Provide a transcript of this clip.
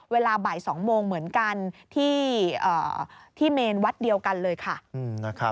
เวลาบ่าย๒โมงเหมือนกันที่เมนวัดเดียวกันเลยค่ะ